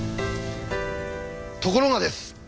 ところがです。